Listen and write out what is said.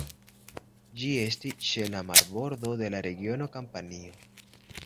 Ĝi estis ĉe la marbordo de la regiono Kampanio.